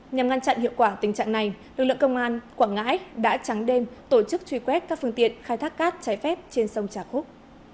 nhằm ngăn chặn hiệu quả tình trạng này lực lượng công an quảng ngãi đã trắng đêm tổ chức truy quét các phương tiện khai thác cát trái phép trên sông trà khúc